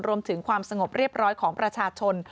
รวมถึงความสงบเรียบร้อยของประชาชน